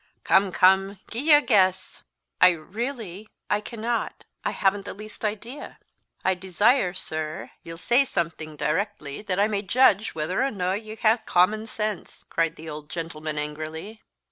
"Come, come, gi'e a guess." "I really I cannot I haven't the least idea." "I desire, sir, ye'll say something directly, that I may judge whether or no ye ha'e common sense," cried the old gentleman angrily.